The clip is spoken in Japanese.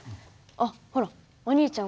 あっほらお兄ちゃん